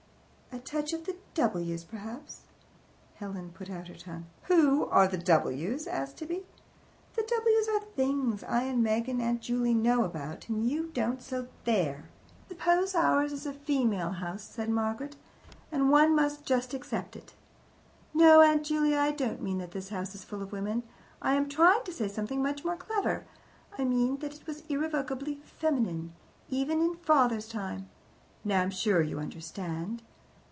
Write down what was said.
"A touch of the W.'s, perhaps?" Helen put out her tongue. "Who are the W.'s?" asked Tibby. "The W.'s are things I and Meg and Aunt Juley know about and you don't, so there!" "I suppose that ours is a female house," said Margaret, "and one must just accept it. No, Aunt Juley, I don't mean that this house is full of women. I am trying to say something much more clever. I mean that it was irrevocably feminine, even in father's time. Now I'm sure you understand!